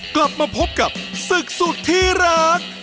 กลับมาพบกับศึกสุดที่รัก